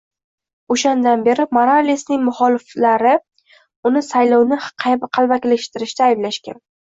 O'shandan beri Moralesning muxoliflari uni saylovni qalbakilashtirishda ayblashgan